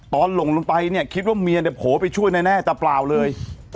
หลงลงไปเนี่ยคิดว่าเมียเนี่ยโผล่ไปช่วยแน่แต่เปล่าเลย